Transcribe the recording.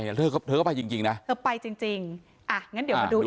ของคุณผัวสักหน่อยก็ไม่เชิญก็จะไปคุณเขาก็ไปจริงนะ